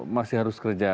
masih harus kerja